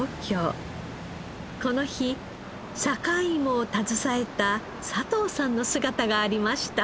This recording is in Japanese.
この日坂井芋を携えた佐藤さんの姿がありました。